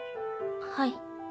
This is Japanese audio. はい。